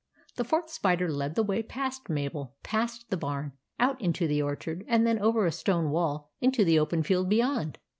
The Fourth Spider led the way past Mabel, past the barn, out into the orchard, and then over a stone wall into the open field beyond.